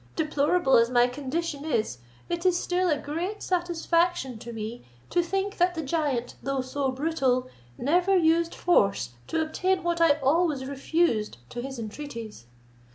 Deplorable as my condition is, it is still a great satisfaction to me to think that the giant, though so brutal, never used force to obtain what I always refused to his entreaties.